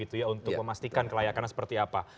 untuk memastikan kelayakannya seperti apa